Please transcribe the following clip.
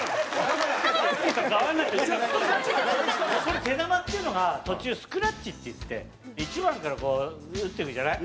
これ手球っていうのが途中スクラッチっていって１番からこう打っていくじゃない？